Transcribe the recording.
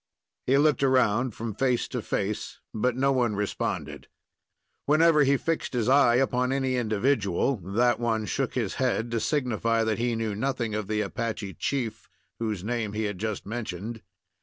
He looked around, from face to face, but no one responded. Whenever he fixed his eye upon any individual, that one shook his head to signify that he knew nothing of the Apache chief whose name he had just mentioned.